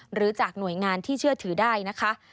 หรือจากหน่วยงานที่เชื่อถือได้นะคะ